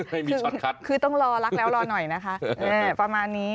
ไม่มีชอตคัทคือต้องรอรักแล้วรอหน่อยนะคะประมาณนี้